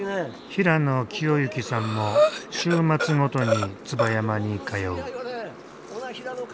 平野清幸さんも週末ごとに椿山に通う。